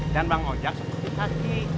dan bang ojek seperti kaki